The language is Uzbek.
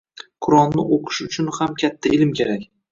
“Qur’on”ni uqish uchun ham katta ilm kerak.